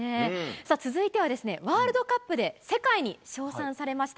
さあ、続いてはですね、ワールドカップで世界に称賛されました